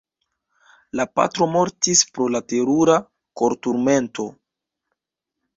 La patro mortis pro la terura korturmento.